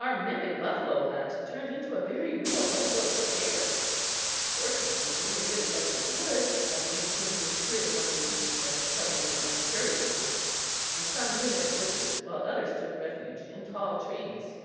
Our mimic buffalo hunt turned into a very real buffalo scare. Fortunately, we were near the edge of the woods and we soon disappeared among the leaves like a covey of young prairie chickens and some hid in the bushes while others took refuge in tall trees.